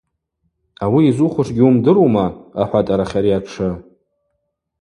Ауи йзухуш гьуымдырума? — ахӏватӏ арахьари атшы.